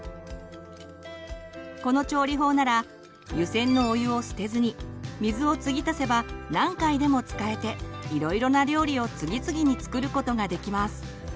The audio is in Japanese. この調理法なら湯せんのお湯を捨てずに水をつぎ足せば何回でも使えていろいろな料理を次々に作ることができます。